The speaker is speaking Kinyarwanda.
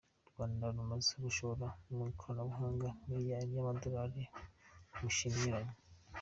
U Rwanda rumaze gushora mu ikoranabuhanga miliyari y’amadolari mu mishinga inyuranye.